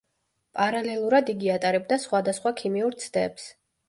პარალელურად იგი ატარებდა სხვადასხვა ქიმიურ ცდებს.